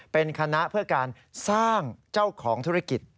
เป็นคณะเพื่อการสร้างเจ้าของธุรกิจ